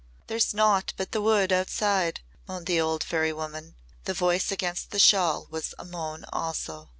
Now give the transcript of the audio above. "There's naught but the wood outside," moaned the old fairy woman. The voice against the shawl was a moan also.